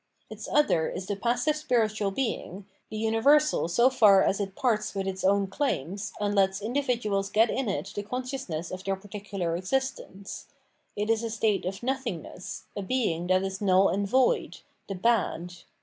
Its other is the passive spiritual being, the umversal ^ so far as it parts with its own claims, and lets individuals get in it the consciousness of their particular existence; ■it is a state of nothingness, a being that is null and void, the Bad.